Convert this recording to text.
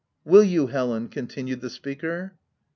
" Will you, Helen ?" continued the speaker.